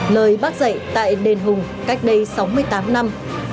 lời bác dạy tại đền hùng cách đây sáu mươi tám năm